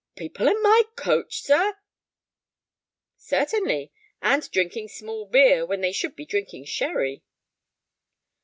"People in my coach, sir?" "Certainly. And drinking small beer when they should be drinking sherry."